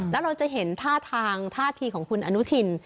แล้วเราจะเห็นท่าทางท่าทีของคุณอนุทิน